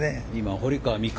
堀川未来